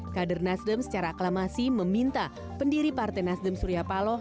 kader nasdem secara aklamasi meminta pendiri partai nasdem surya paloh